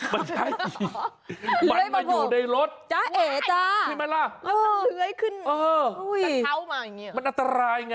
มันไม่ได้มันมาอยู่ในรถจ๊ะเอ๋จ้ามันเหลือยขึ้นเออมันอัตรายไง